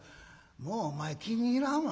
「もうお前気に入らんわ。